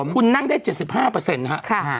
คุณนั่งได้๗๕ครับ